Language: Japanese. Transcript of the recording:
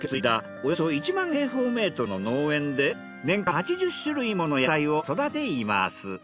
およそ１万平方メートルの農園で年間８０種類もの野菜を育てています。